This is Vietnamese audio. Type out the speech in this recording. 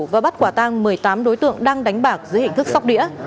và bắt quả tang một mươi tám đối tượng đang đánh bạc dưới hình thức sóc đĩa